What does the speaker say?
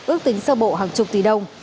ước tính sơ bộ hàng chục tỷ đồng